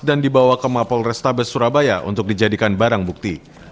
dan dibawa ke mapolresta besurabaya untuk dijadikan barang bukti